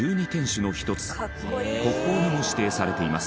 国宝にも指定されています。